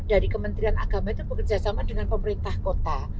dari kementerian agama itu bekerjasama dengan pemerintah kota